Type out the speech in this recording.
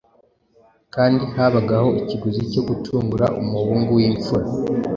kandi habagaho ikiguzi cyo gucungura umuhungu w’imfura.